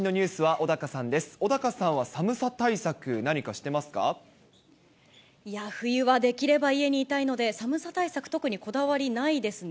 小高さんは寒さ対策、何かしてまいや、冬はできれば家にいたいので、寒さ対策、特にこだわりないですね。